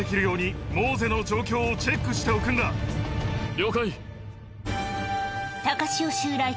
了解。